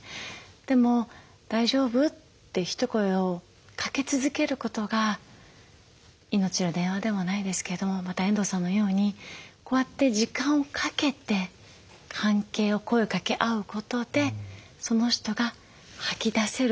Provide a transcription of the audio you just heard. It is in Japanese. でも「大丈夫？」って一声をかけ続けることが「いのちの電話」ではないんですけれどもまた遠藤さんのようにこうやって時間をかけて関係を声をかけ合うことでその人が吐き出せる場所に変われる。